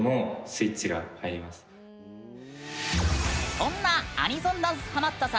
そんなアニソンダンスハマったさん